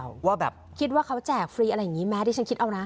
ว่าแบบคิดว่าเขาแจกฟรีอะไรอย่างนี้ไหมที่ฉันคิดเอานะ